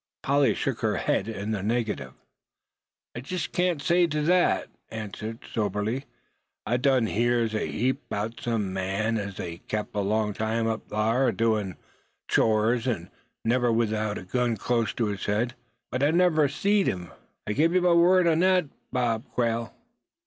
Polly shook her head in the negative. "I jest can't say as to thet," she answered, soberly; "I done hears a heap 'bout some man as they has kep' a long time up thar, adoin' of the chores, an' never without a gun clost to his head; but I ain't never seed him. I gives ye my word on thet, Bob Quail."